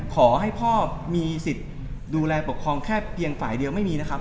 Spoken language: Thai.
ขอให้พ่อมีสิทธิ์ดูแลปกครองแค่เพียงฝ่ายเดียวไม่มีนะครับ